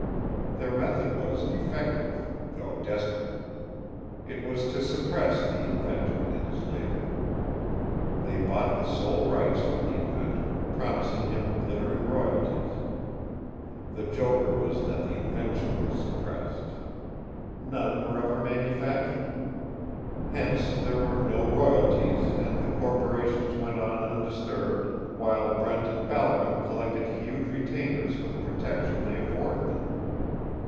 Their method was effective though desperate. It was to suppress the inventor and his labor. They bought the sole rights from the inventor, promising him glittering royalties. The joker was that the invention was suppressed. None were ever manufactured. Hence there were no royalties and the corporations went on undisturbed while Brent and Balcom collected huge retainers for the protection they afforded them.